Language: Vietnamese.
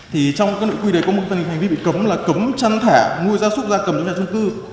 thì trong cái nội quy đấy có một phần hành vi bị cấm là cấm chăn thẻ nuôi da súc ra cầm trong nhà trung cư